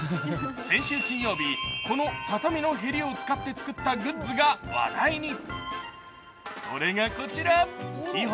先週金曜日、この畳のへりを使って作ったグッズが話題に。